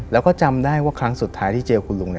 แล้วก็จำได้ว่าครั้งสุดท้ายที่เจอคุณลุง